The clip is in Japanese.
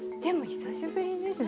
久しぶりですね。